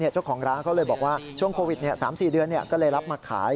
เจ้าของร้านเขาเลยบอกว่าช่วงโควิด๓๔เดือนก็เลยรับมาขาย